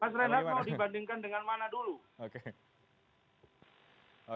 pak renhat mau dibandingkan dengan mana dulu